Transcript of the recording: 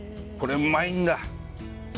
これうまいんだ！